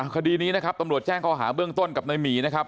คดีนี้นะครับตำรวจแจ้งข้อหาเบื้องต้นกับนายหมีนะครับ